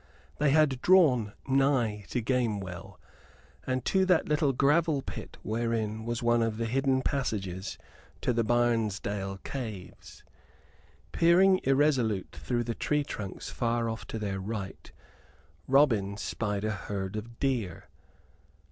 They had drawn nigh to Gamewell, and to that little gravel pit wherein was one of the hidden passages to the Barnesdale caves. Peering irresolute through the tree trunks far off to their right, Robin spied a herd of deer.